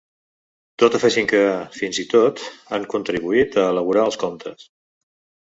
Tot afegint que, fins i tot, han contribuït a elaborar els comptes.